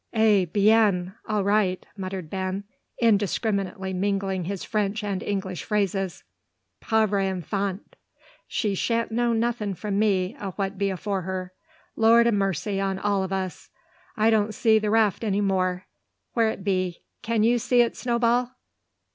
"Eh bien! all right!" muttered Ben, indiscriminately mingling his French and English phrases. "Pauvre enfant! She shan't know nothin' from me o' what be afore her. Lord a marcy on all o' us! I don't see the raft any more! Whar be it? Can you see it, Snowball?"